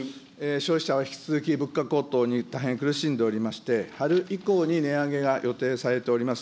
消費者は引き続き物価高騰に大変苦しんでおりまして、春以降に値上げが予定されております